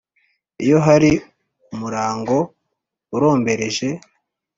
iyo hari umurango urombereje